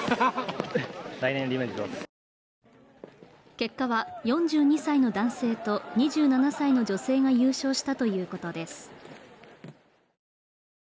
結果は４２歳の男性と２７歳の女性が優勝したということです。